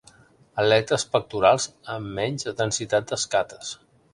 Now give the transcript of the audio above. Aletes pectorals amb menys densitat d'escates.